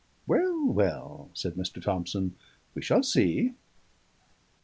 "Well, well," said Mr. Thomson, "we shall see."